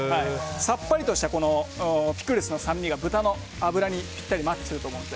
さっぱりとしたピクルスの酸味が豚の脂にぴったりマッチすると思うので。